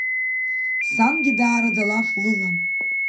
Сангьы даараӡа алаф лылан.